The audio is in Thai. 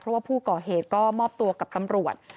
เพราะว่าผู้ก่อเหตุก็มอบตัวกับตำรวจ